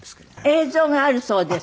映像があるそうです。